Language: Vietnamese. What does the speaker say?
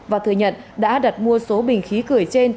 và thừa nhận đã đặt mua số bình khí cười trên